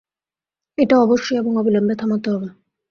এটা অবশ্যই এবং অবিলম্বে থামাতে হবে।